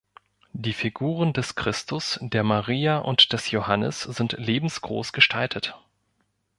Die Figuren des Christus, der Maria und des Johannes sind lebensgroß gestaltet.